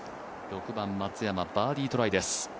６番、松山、バーディートライです。